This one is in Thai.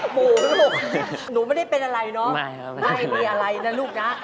หมูลูกหนูไม่ได้เป็นอะไรเนอะ